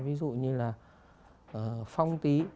ví dụ như là phong tí